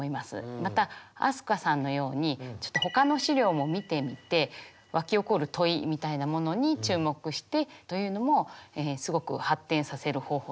また飛鳥さんのようにちょっと他の資料も見てみてわき起こる問いみたいなものに注目してというのもすごく発展させる方法だと思います。